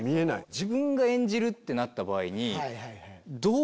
自分が演じるってなった場合に。